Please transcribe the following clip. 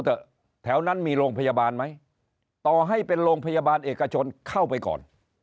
เถอะแถวนั้นมีโรงพยาบาลไหมต่อให้เป็นโรงพยาบาลเอกชนเข้าไปก่อน